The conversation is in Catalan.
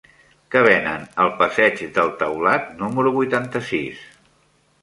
Què venen al passeig del Taulat número vuitanta-sis?